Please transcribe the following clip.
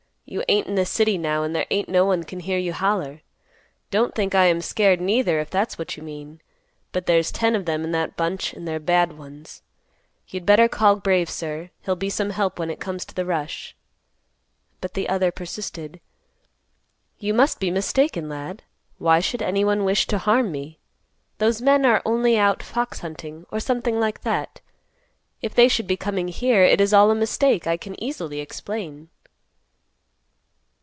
You ain't in the city now, and there ain't no one can hear you holler. Don't think I am scared neither, if that's what you mean. But there's ten of them in that bunch, and they're bad ones. You'd better call Brave, sir. He'll be some help when it comes to the rush." But the other persisted, "You must be mistaken, lad. Why should any one wish to harm me? Those men are only out fox hunting, or something like that. If they should be coming here, it is all a mistake; I can easily explain."